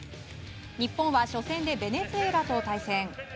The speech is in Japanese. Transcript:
日本は初戦でベネズエラと対戦。